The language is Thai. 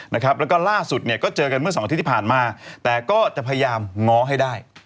แล้วก็ล่าสุดเนี่ยก็เจอกันเมื่อสองอาทิตย์ที่ผ่านมาแต่ก็จะพยายามง้อให้ได้